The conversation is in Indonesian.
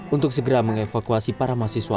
untuk segera mengevakuasi para mahasiswa